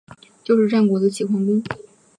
就是战国的齐桓公。